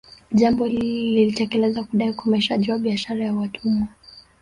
Jambo hili lilitekeleza kudai ukomeshaji wa biashara ya watumwa